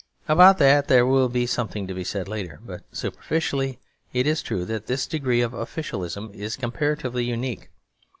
About that there will be something to be said later; but superficially it is true that this degree of officialism is comparatively unique.